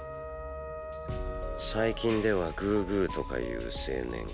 最近ではグーグーとかいう青年か。